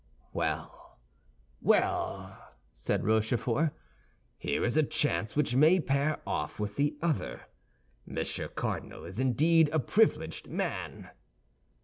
"Well, well," said Rochefort, "here is a chance which may pair off with the other! Monsieur Cardinal is indeed a privileged man!"